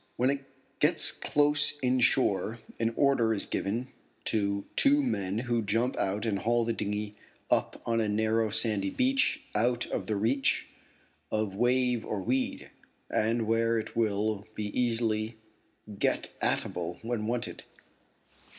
When it gets close inshore, an order is given to two men who jump out and haul the dinghy up on a narrow sandy beach out of the reach of wave or weed, and where it will be easily get at able when wanted.